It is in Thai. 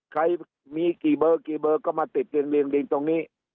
ใครมีกี่เบอร์กี่เบอร์ก็มาติดเรียงตรงนี้